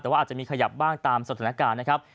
แต่ว่าอาจจะมีขยับบ้างตามสถานการณ์นะครับ